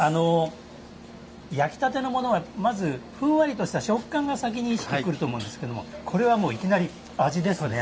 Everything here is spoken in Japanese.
焼きたてのものはまずふんわりとした食感がまず来ると思うんですけどこれはいきなり味ですね。